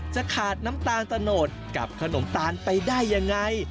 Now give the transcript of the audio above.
จะขาดน้ำตาลตะโนดกับขนมตาลไปได้ยังไง